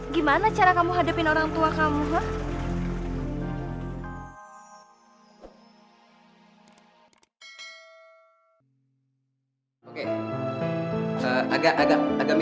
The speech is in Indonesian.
gimana cara kamu hadapin orang tua kamu